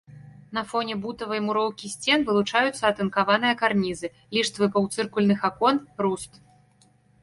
На фоне бутавай муроўкі сцен вылучаюцца атынкаваныя карнізы, ліштвы паўцыркульных акон, руст.